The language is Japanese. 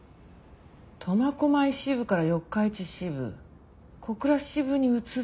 苫小牧支部から四日市支部小倉支部に移ってうち。